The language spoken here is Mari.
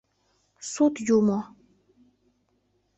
— Сут юмо!